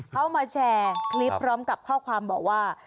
เขามาแชร์คลิปพร้อมกับข้อความบอกว่า